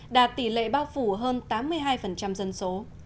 đạt tỷ lệ bao phủ hơn tám mươi hai dân số